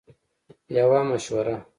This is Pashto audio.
- یوه مشوره 💡